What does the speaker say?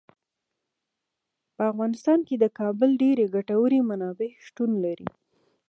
په افغانستان کې د کابل ډیرې ګټورې منابع شتون لري.